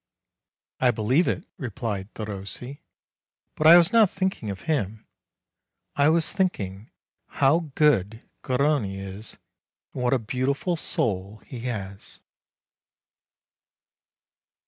"I believe it," replied Derossi; "but I was not think ing of him. I was thinking how good Garrone is, and what a beautiful soul he has."